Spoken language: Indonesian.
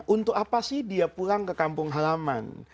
untuk apa sih dia pulang ke kampung halaman